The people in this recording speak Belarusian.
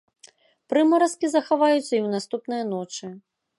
Прымаразкі захаваюцца і ў наступныя ночы.